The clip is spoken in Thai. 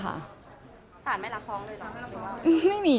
อเรนนี่มีหลังไม้ไม่มี